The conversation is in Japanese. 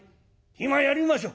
暇やりましょう」。